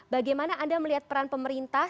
bagaimana anda melihat peran pemerintah